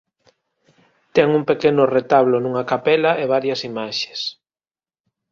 Ten un pequeno retablo nunha capela e varias imaxes.